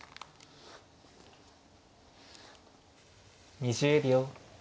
２０秒。